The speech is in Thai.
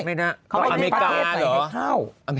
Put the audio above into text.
เขาก็ไปให้ประเทศใส่ให้เข้า